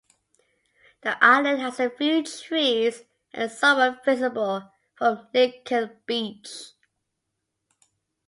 The island has a few trees and is somewhat visible from Lincoln Beach.